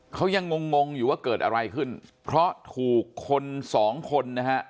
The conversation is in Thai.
เขายังงงงงอยู่ว่าเกิดอะไรขึ้นเพราะถูกคนสองคนนะฮะ